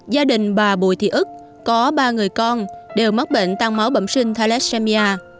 gia đình bà bùi thị ức có ba người con đều mắc bệnh tăng máu bẩm sinh thalassemia